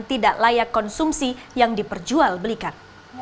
tidak layak konsumsi yang diperjual belikan